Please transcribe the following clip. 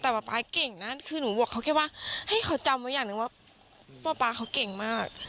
แต่ป๊าเก่งนะคือหนูบอกเขาแค่ว่าให้เขาจำไว้อย่างหนึ่งว่าป๊าป๊าเขาเก่งมาก